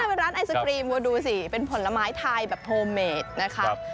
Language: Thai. เป็นร้านไอศครีมัวดูสิเป็นผลไม้ไทยแบบโฮเมดนะครับ